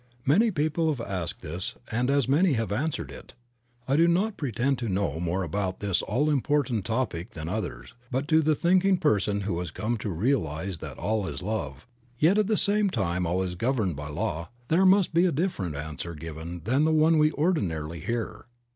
Many people have asked this and as many have answered it. I do not pretend to know more about this all important topic than others, but to the thinking person who has come to realize that all is love, yet at the same time all is governed by law, there must be a different answer given than the one we ordinarily Creative Mind. 55 hear.